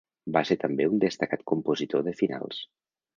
Va ser també un destacat compositor de finals.